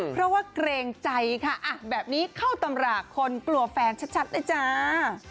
เพราะว่าเกรงใจค่ะแบบนี้เข้าตำราคนกลัวแฟนชัดเลยจ้า